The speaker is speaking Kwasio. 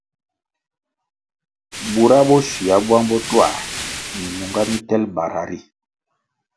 Bura bo shywia bwang bo twā milunga mitelʼ bara ri,